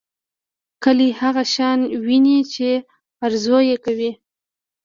کلی هغه شان ويني چې ارزو یې کوي.